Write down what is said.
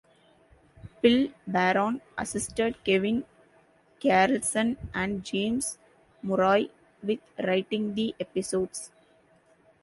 Phil Baron assisted Kevin Carlson and James Murray with writing the episodes.